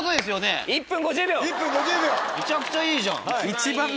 めちゃくちゃいいじゃん！